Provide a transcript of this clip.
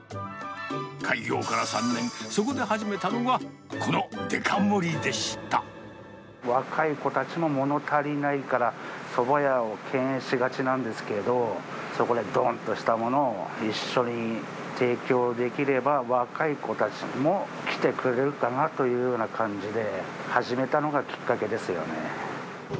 開業から３年、そこで始めたのが、若い子たちも、もの足りないから、そば屋を敬遠しがちなんですけれども、そこでどんとしたものを一緒に提供できれば若い子たちも来てくれるかなというような感じで、始めたのがきっかけですよね。